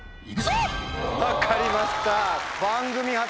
分かりました。